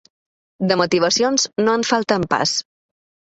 De motivacions, no en falten pas.